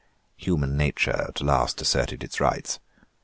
Human nature at last asserted its rights.